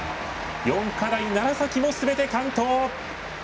４課題、楢崎もすべて完登。